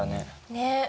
ねっ。